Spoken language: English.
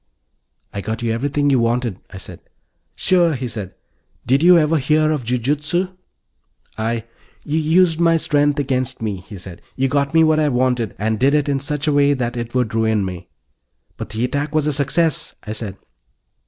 "I got you everything you wanted," I said. "Sure," he said. "Did you ever hear of jujitsu?" "I " "You used my strength against me," he said. "You got me what I wanted and did it in such a way that it would ruin me." "But the attack was a success," I said.